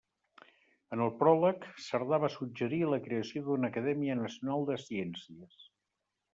En el pròleg, Cerdà va suggerir la creació d'una Acadèmia Nacional de Ciències.